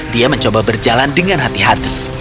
dia mencoba berjalan dengan hati hati